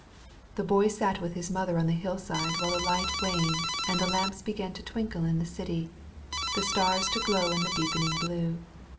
The Boy sat with his mother on the hillside while the light waned, and the lamps began to twinkle in the city, the stars to glow in the deepening blue.